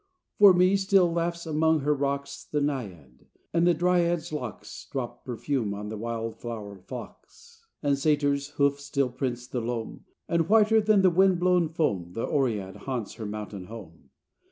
For me still laughs among her rocks The Naiad; and the Dryad's locks Drop perfume on the wildflower flocks. The Satyr's hoof still prints the loam; And, whiter than the wind blown foam, The Oread haunts her mountain home.